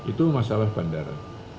itu masalah bandara